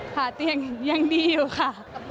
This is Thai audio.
เตียงยังดีอยู่ค่ะ